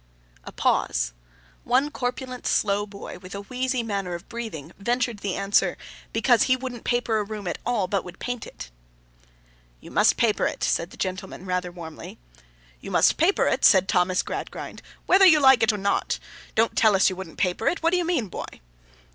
A pause. One corpulent slow boy, with a wheezy manner of breathing, ventured the answer, Because he wouldn't paper a room at all, but would paint it. 'You must paper it,' said the gentleman, rather warmly. 'You must paper it,' said Thomas Gradgrind, 'whether you like it or not. Don't tell us you wouldn't paper it. What do you mean, boy?